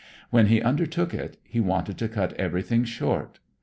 When he undertook it, he wanted to cut everything short.